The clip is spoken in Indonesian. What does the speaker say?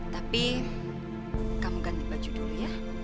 tapi kamu ganti baju dulu ya